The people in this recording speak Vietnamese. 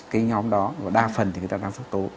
cái nhóm đó và đa phần thì người ta tăng sốc tố